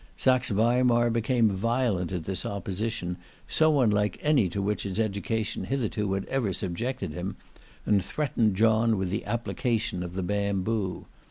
Saxe Weimar became violent at this opposition, so unlike any to which his education hitherto had ever subjected him, and threatened John with the application of the bamboo.